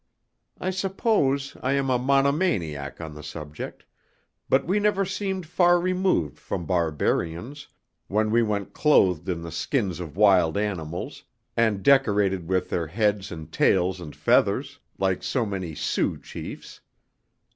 I suppose I am a monomaniac on the subject, but we never seemed far removed from barbarians, when we went clothed in the skins of wild animals, and decorated with their heads and tails and feathers, like so many Sioux chiefs.